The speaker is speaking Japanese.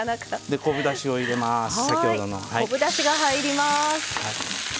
昆布だしが入ります。